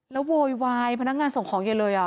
แล้วโวยวายพนักงานส่งของเย็นเลย